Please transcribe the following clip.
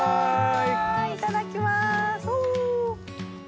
いただきますお！